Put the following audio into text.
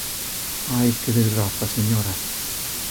Ai, que desgraza, señora!